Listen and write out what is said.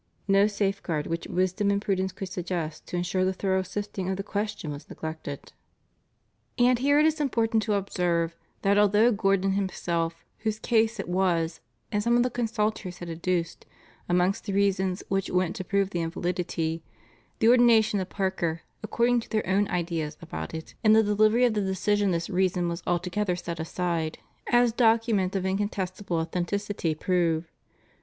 No safeguard which wisdom and prudence could suggest to insure the thorough sifting of the question was neglected. ANGLICAN ORDERS. 399 And here it is important to observe that although Gordon himself, whose case it was, and some of the con suitors had adduced, amongst the reasons which went to prove the invalidity, the Ordination of Parker, accord ing to their own ideas about it, in the delivery of the decision this reason was altogether set aside, as docu ments of incontestable authenticity prove.